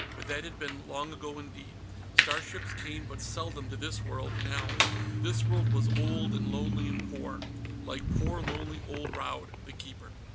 But that had been long ago indeed. Starships came but seldom to this world, now. This world was old and lonely and poor. Like poor lonely old Raud the Keeper.